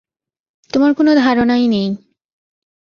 তোমার কোনো ধারণাই নেই।